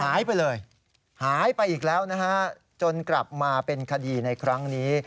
หายไปเลยหายไปอีกแล้วนะฮะจนกลับมาเป็นคดีในครั้งนี้